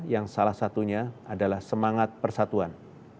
yang salah satunya adalah semangat persatuan